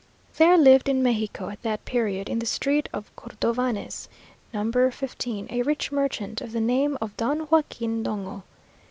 There lived in Mexico at that period, in the street of Cordovanes, No. 15, a rich merchant of the name of Don Joaquin Dongo.